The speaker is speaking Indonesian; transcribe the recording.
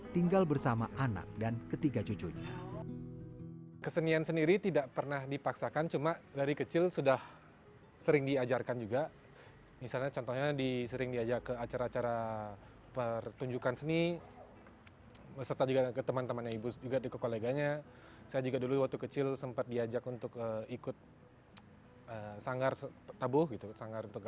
termasuk bahasa bali halus